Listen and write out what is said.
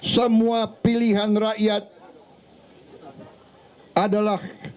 semua pilihan rakyat adalah